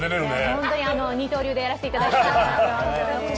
本当に、二刀流でやらせていただいております。